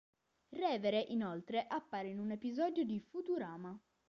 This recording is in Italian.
Revere inoltre appare in un episodio di "Futurama".